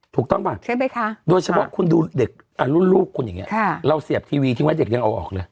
ถูกต้องป่ะใช่ไหมคะโดยเฉพาะคุณดูเด็กรุ่นลูกคุณอย่างนี้เราเสียบทีวีทิ้งไว้เด็กยังเอาออกเลย